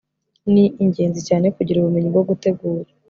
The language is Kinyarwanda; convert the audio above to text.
Ni ingenzi cyane kugira ubumenyi bwo gutegura